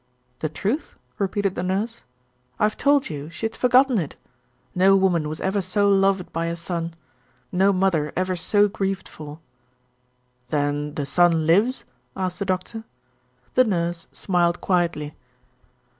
"The truth?" repeated the Nurse. "I've told you that she had forgotten it. No woman was ever so loved by a son. No mother ever so grieved for." "Then the son lives?" asked the Doctor. The Nurse smiled quietly.